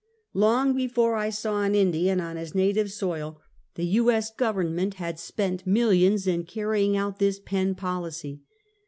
Long before I saw an Indian on his native soil, the U. S. Government had spent millions in carrying out this Penn policy.